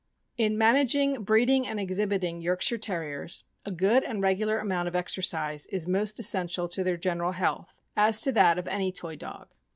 445 In managing, breeding, and exhibiting Yorkshire Ter riers, a good and regular amount of exercise is most essen tial to their general health, as to that of any toy dog.